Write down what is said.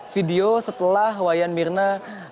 video setelah wayan mirna